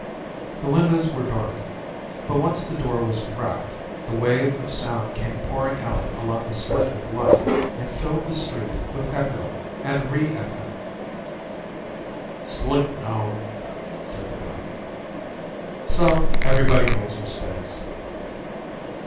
The windows were dark. But once the door was cracked, the wave of sound came pouring out along the slit of light and filled the street with echo and re echo. "Slink, now," said the dog. "So everybody makes mistakes."